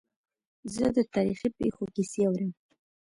زه د تاریخي پېښو کیسې اورم.